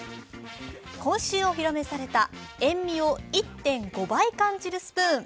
今週お披露目された塩みを１．５倍感じるスプーン。